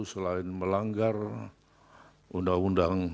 selain melanggar undang undang